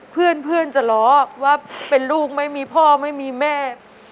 เพื่อนจะล้อว่าเป็นลูกไม่มีพ่อไม่มีแม่